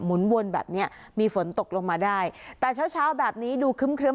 วนแบบเนี้ยมีฝนตกลงมาได้แต่เช้าเช้าแบบนี้ดูครึ้ม